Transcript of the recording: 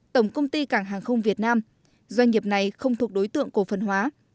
tổng công ty cảng hàng không việt nam doanh nghiệp này không thuộc đối tượng cổ phần hóa